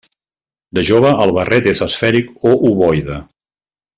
De jove, el barret és esfèric o ovoide.